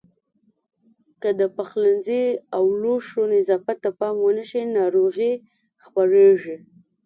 که د پخلنځي او لوښو نظافت ته پام ونه شي ناروغۍ خپرېږي.